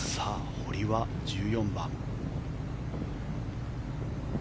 堀は１４番。